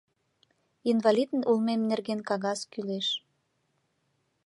— Инвалид улмем нерген кагаз кӱлеш.